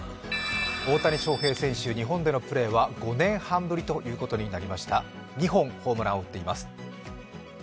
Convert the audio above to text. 大谷翔平選手、日本でのプレーは５年半ぶりということになりました２本、ホームランを打っています。